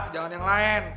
jangan yang lain